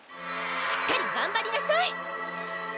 しっかりがんばりなさい！